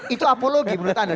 itu apologi menurut anda